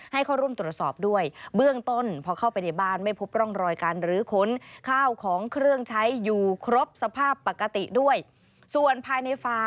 ให้เขาร่วมตรวจสอบด้วย